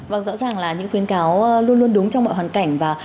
vâng rõ ràng là những khuyến cáo luôn luôn đúng trong mọi hoàn cảnh và